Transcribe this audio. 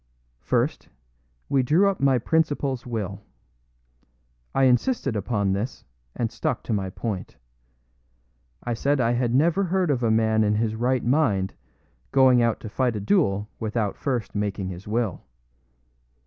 First, we drew up my principal's will. I insisted upon this, and stuck to my point. I said I had never heard of a man in his right mind going out to fight a duel without first making his will.